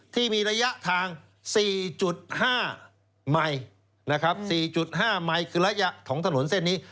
ที่มีระยะทาง๔๕ไมค์นะครับ๔๕ไมค์คือระยะของถนนเส้นนี้